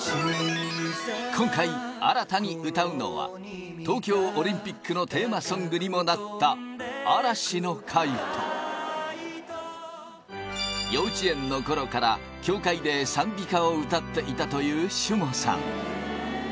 今回新たに歌うのは東京オリンピックのテーマソングにもなった幼稚園の頃から教会で賛美歌を歌っていたというシュモさん